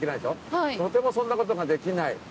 とてもそんなことができない。